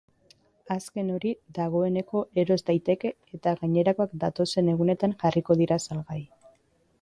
Azken hori dagoeneko eros daiteke eta gainerakoak datozen egunetan jarriko dira salgai.